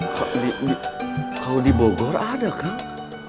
kalau di bogor ada kang